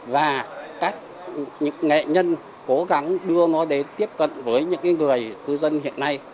và các nghệ nhân cố gắng đưa nó đến tiếp cận với những người cư dân hiện nay